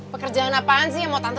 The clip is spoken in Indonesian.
pekerjaan apaan sih yang mau tampil